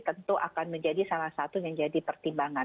tentu akan menjadi salah satu yang jadi pertimbangan